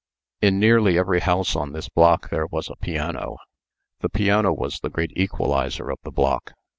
In nearly every house on this block there was a piano. The piano was the great equalizer of the block.